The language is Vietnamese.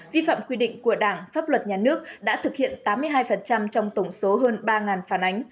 vi phạm quy định của đảng pháp luật nhà nước đã thực hiện tám mươi hai trong tổng số hơn ba phản ánh